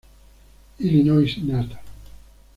Illinois Nat.